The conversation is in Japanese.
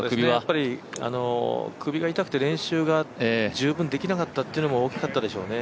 やっぱり首が痛くて練習が十分できなかったというのも大きかったでしょうね。